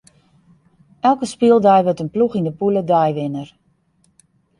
Elke spyldei wurdt in ploech yn de pûle deiwinner.